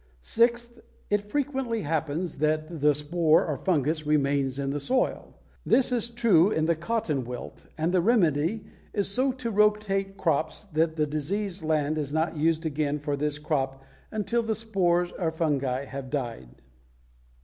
Sixth, it frequently happens that the spore or fungus remains in the soil. This is true in the cotton wilt, and the remedy is so to rotate crops that the diseased land is not used again for this crop until the spores or fungi have died.